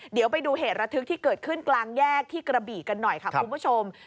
เดี๋ยวไปดูเหตุระทึกที่เกิดขึ้นกลางแยกที่กระบี่กันหน่อยค่ะคุณผู้ชม